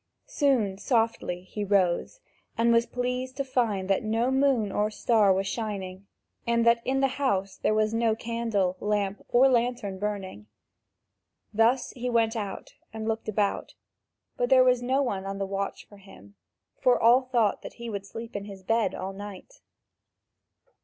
Soon he softly rose, and was pleased to find that no moon or star was shining, and that in the house there was no candle, lamp, or lantern burning. Thus he went out and looked about, but there was no one on the watch for him, for all thought that he would sleep in his bed all night.